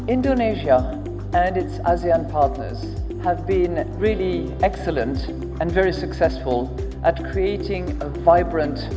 indonesia dan pasangan asia telah sangat berjaya dan berjaya menciptakan kelas tengah yang vibrant